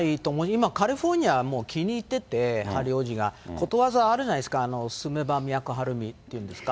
今、カリフォルニアがもう気に入ってて、ハリー王子が、ことわざあるじゃないですか、住めば都はるみというんですか。